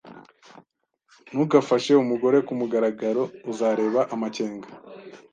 Ntugafashe umugore kumugaragaro. Uzareba amakenga